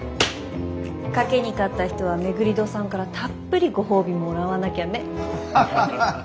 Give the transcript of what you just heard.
賭けに勝った人は廻戸さんからたっぷりご褒美もらわなきゃね。